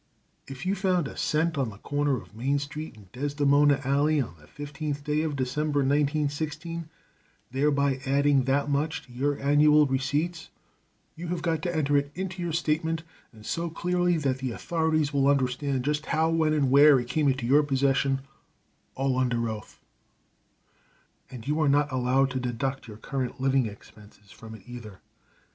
If you found a cent on the corner of Main Street and Desdemona Alley on the fifteenth day of December, 1916, thereby adding that much to your annual receipts, you have got to enter it in your statement, and so clearly that the authorities will understand just how, when, and where it came into your possession, all under oath; and you are not allowed to deduct your current living expenses from it, either.